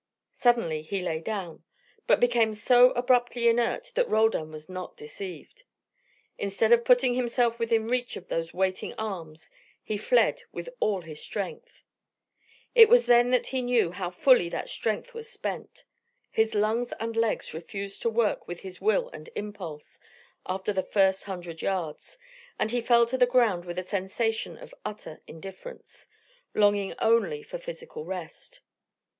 Suddenly he lay down, but became so abruptly inert that Roldan was not deceived. Instead of putting himself within reach of those waiting arms he fled with all his strength. It was then that he knew how fully that strength was spent: his lungs and legs refused to work with his will and impulse after the first hundred yards, and he fell to the ground with a sensation of utter indifference, longing only for physical rest.